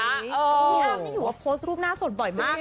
วิอ้ามนี่หัวโพสต์รูปหน้าสนบ่อยมากนะคะ